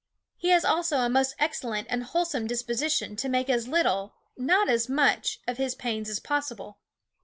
He has also a most excellent and wholesome disposi tion to make as little, not as much, of his pains as possible.